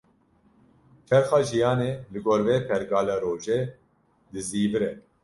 Çerxa jiyanê, li gor vê pergala rojê dizîvire